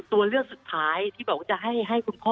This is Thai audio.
ตัวเลือกสุดท้ายที่บอกว่าจะให้คุณพ่อ